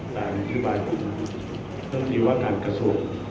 ตามริบายคุณพิวัตถานกระโสก